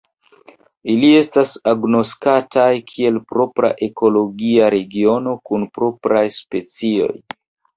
Ili estas agnoskataj kiel propra ekologia regiono kun propraj specioj.